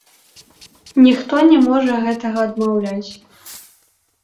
Ніхто не можа гэтага адмаўляць.